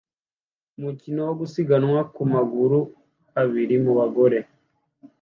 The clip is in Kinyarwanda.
Umukino wo gusiganwa ku maguru abiri mu bagore